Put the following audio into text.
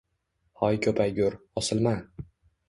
Hoy ko‘paygur, osilma!